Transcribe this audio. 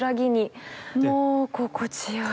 もう心地良い。